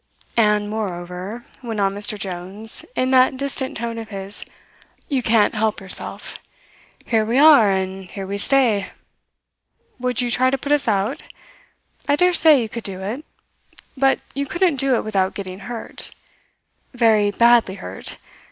"And, moreover," went on Mr. Jones in that distant tone of his, "you can't help yourself. Here we are and here we stay. Would you try to put us out? I dare say you could do it; but you couldn't do it without getting hurt very badly hurt.